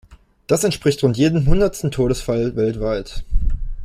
Das entspricht rund jedem hundertsten Todesfall weltweit.